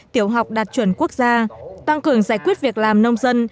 tiểu học đạt chuẩn quốc gia tăng cường giải quyết việc làm nông dân